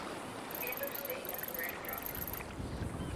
Fiedler stayed with the Red Cross.